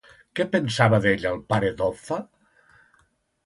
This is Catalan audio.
Què pensava d'ell el pare d'Offa?